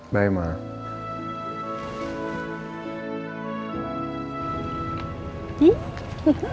mau ke maliburan